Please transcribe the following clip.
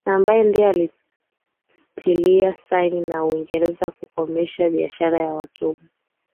ambaye ndiye alitiliana saini na Uingereza kukomesha biashara ya watumwa